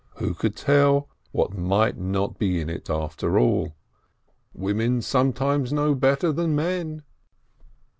Who could tell what might not be in it, after all? Women sometimes know better than men.